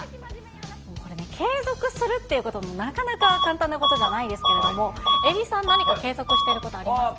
これね、継続するっていうこともなかなか簡単なことじゃないですけれども、えびさん、何か継続していることありますか？